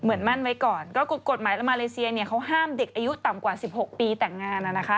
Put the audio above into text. เหมือนมั่นไว้ก่อนก็กฎหมายมาเลเซียเนี่ยเขาห้ามเด็กอายุต่ำกว่า๑๖ปีแต่งงานนะคะ